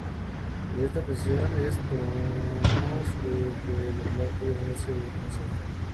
En esta ocasión, es Thanos el que lo relata, llamándose responsable.